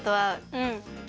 うん。